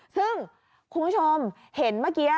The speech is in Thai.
ซึ่งคุณผู้ชมเห็นเมื่อกี้